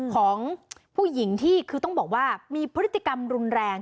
ของผู้หญิงที่คือต้องบอกว่ามีพฤติกรรมรุนแรง